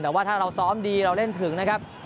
แต่ว่าถ้าเราซ้อมดีเราเล่นถึงนะครับ